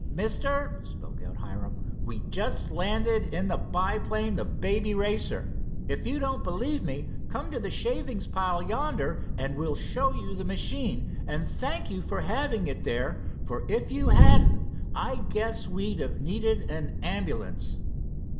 "Mister," spoke out Hiram, "we just landed in the biplane, the Baby Racer. If you don't believe me, come to the shavings pile yonder and we'll show you the machine, and thank you for having it there, for if you hadn't I guess we'd have needed an ambulance."